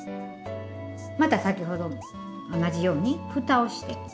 また先ほどと同じようにふたをして。